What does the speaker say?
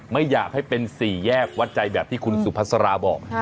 ไม่อยากให้เป็นสี่แยกวัดใจแบบที่คุณสุภาษาราบอก